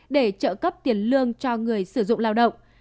để trợ cấp tiền lương cho người sử dụng lao động